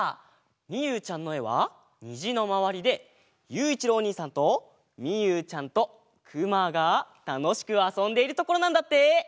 みゆうちゃんのえはにじのまわりでゆういちろうおにいさんとみゆうちゃんとくまがたのしくあそんでいるところなんだって！